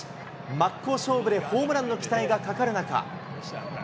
真っ向勝負でホームランの期待がかかる中。